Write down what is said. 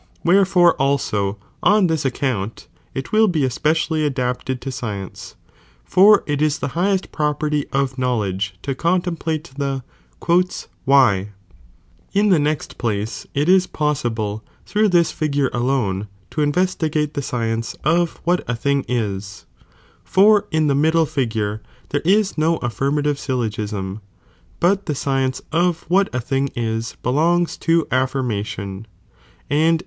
! Wherefore alao, on this acconnt, it will be espe ; daily adapted to science, for it is the highest pro i perty of knowledge to contemplate the "why;" ' in the nest pkfe, it is possible through this figur investigate the science of what a thing is ; for in I figure, there is no affirmative syllogism, but the what a thing is belongs to affirmation,* and in • j.